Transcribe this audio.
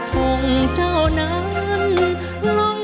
จะใช้หรือไม่ใช้ครับ